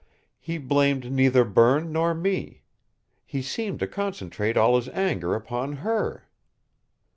He blamed neither Berne nor me. He seemed to concentrate all his anger upon her.